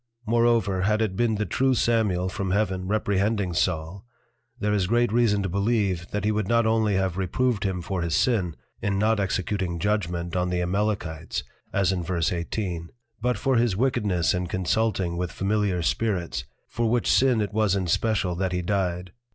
Moreover, had it been the true Samuel from Heaven reprehending Saul, there is great Reason to believe, that he would not only have reproved him for his sin, in not executing Judgment on the Amalekites; as in Ver. 18. But for his Wickedness in consulting with Familiar Spirits: For which Sin it was in special that he died.